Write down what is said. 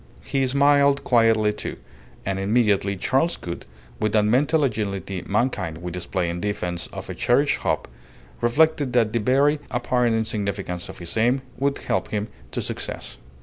He smiled quietly, too; and immediately Charles Gould, with that mental agility mankind will display in defence of a cherished hope, reflected that the very apparent insignificance of his aim would help him to success.